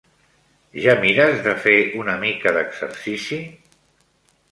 Ja mires de fer una mica d'exercici?